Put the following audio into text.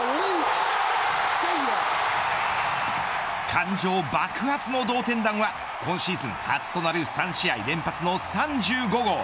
感情爆発の同点弾は今シーズン初となる３試合連発の３５号。